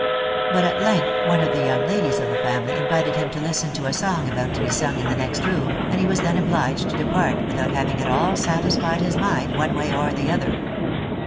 But at length, one of the young ladies of the family invited him to listen to a song about to be sung in the next room, and he was then obliged to depart without having at all satisfied his mind one way or the other.